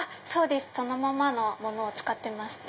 そのままのものを使ってますね。